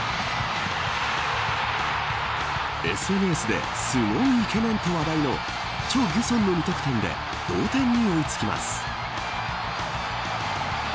ＳＮＳですごいイケメンと話題のチョ・ギュソンの２得点で同点に追い付きます。